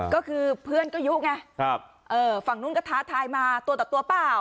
ก็คือเพื่อนก็ยุไงฝั่งนู้นก็ท้าทายมาตัวต่อตัวเปล่า